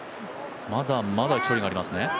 まだまだ距離がありますね。